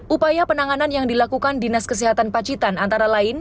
upaya penanganan yang dilakukan dinas kesehatan pacitan antara lain